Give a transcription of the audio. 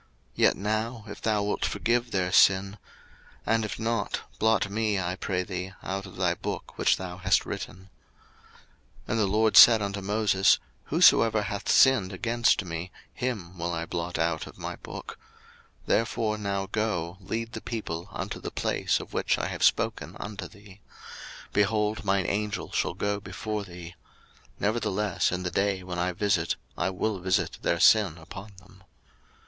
02:032:032 Yet now, if thou wilt forgive their sin ; and if not, blot me, I pray thee, out of thy book which thou hast written. 02:032:033 And the LORD said unto Moses, Whosoever hath sinned against me, him will I blot out of my book. 02:032:034 Therefore now go, lead the people unto the place of which I have spoken unto thee: behold, mine Angel shall go before thee: nevertheless in the day when I visit I will visit their sin upon them.